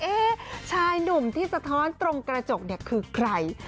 ชายหนุ่มที่สะท้อนตรงกระจกเนี่ยคือใคร